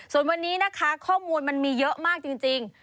ส่วนวันนี้นะคะข้อมูลมันมีเยอะมากจริง